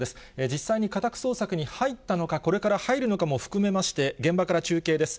実際に家宅捜索に入ったのか、これから入るのかも含めまして、現場から中継です。